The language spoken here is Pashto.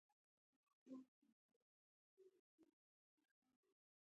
آیا دوی د سولې په چارو کې مرسته نه کوي؟